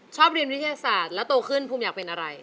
ชอบเรียนวิทยาศาสตร์แล้วโตขึ้นภูมิอยากเป็นอะไร